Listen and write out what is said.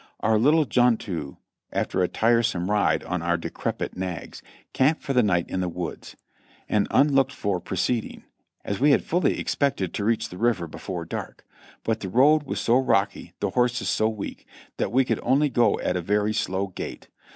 Our little junto, after a tiresome ride on our decrepit nags, camped for the night in the woods; an unlooked for proceeding, as we had fully expected to reach the river before dark, but the road was so rocky, the horses so weak, that we could only go at a very slow gait.